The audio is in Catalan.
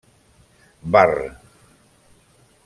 Barr.